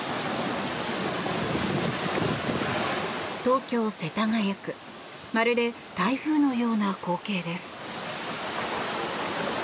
東京・世田谷区まるで台風のような光景です。